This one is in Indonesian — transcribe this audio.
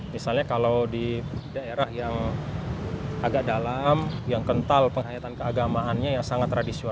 misalnya kalau di daerah yang agak dalam yang kental penghayatan keagamaannya yang sangat tradisional